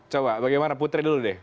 coba bagaimana putri dulu deh